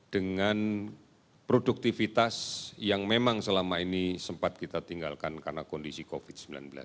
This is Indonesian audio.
dengan produktivitas yang memang selama ini sempat kita tinggalkan karena kondisi covid sembilan belas